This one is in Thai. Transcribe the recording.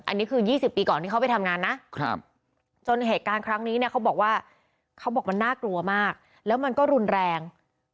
อันนี้คือ๒๐ปีก่อนที่เขาไปทำงานนะจนเหตุการณ์ครั้งนี้เนี่ยเขาบอกว่าเขาบอกมันน่ากลัวมากแล้วมันก็รุนแรง